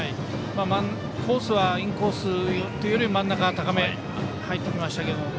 コースはインコースというより真ん中高めに入ってきましたけど。